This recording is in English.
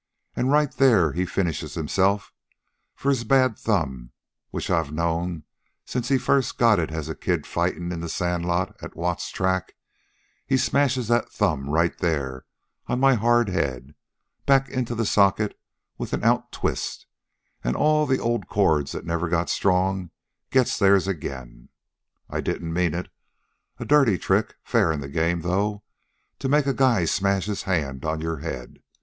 An' right there he finishes himself, for his bad thumb, which I've known since he first got it as a kid fightin' in the sandlot at Watts Tract he smashes that thumb right there, on my hard head, back into the socket with an out twist, an' all the old cords that'd never got strong gets theirs again. I didn't mean it. A dirty trick, fair in the game, though, to make a guy smash his hand on your head.